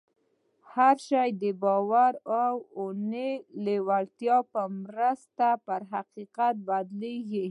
هر شی د باور او اورنۍ لېوالتیا په مرسته پر حقیقت بدلېږي